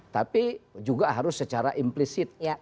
tapi juga harus secara implisit